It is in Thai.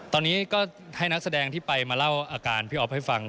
ตอนนี้ก็ให้นักแสดงที่ไปมาเล่าอาการพี่อ๊อฟให้ฟัง